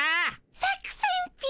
作戦っピ？